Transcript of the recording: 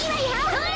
それ！